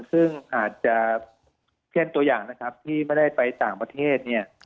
ซึ่งอาจจะเช่นตัวอย่างนะครับที่ไม่ได้ไปต่างประเทศเนี่ย